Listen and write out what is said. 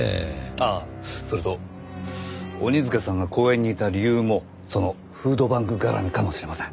ああそれと鬼塚さんが公園にいた理由もそのフードバンク絡みかもしれません。